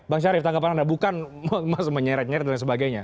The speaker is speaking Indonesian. bang syarif tanggapan anda bukan mas menyereg nyereg dan sebagainya